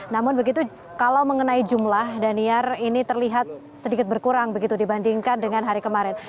namun begitu kalau mengenai jumlah daniar ini terlihat sedikit berkurang begitu dibandingkan dengan hari kemarin